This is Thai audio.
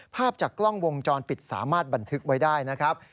ภาพจากกล้องวงจรปิดสามารถบันทึกไว้ได้นะครับ